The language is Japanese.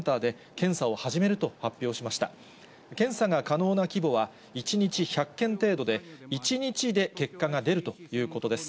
検査が可能な規模は１日１００件程度で、１日で結果が出るということです。